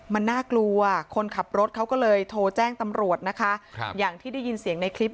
มันน่ากลัวคนขับรถเขาก็เลยโทรแจ้งตำรวจนะคะอย่างที่ได้ยินเสียงในคลิป